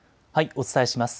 お伝えします。